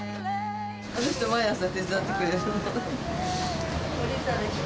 あの人、毎朝手伝ってくれるの。